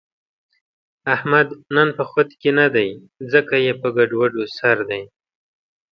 احمد نن په خود کې نه دی، ځکه یې په ګډوډو سر دی.